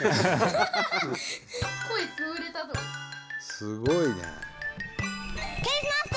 すごいね。